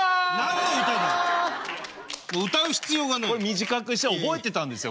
短くして覚えてたんですよ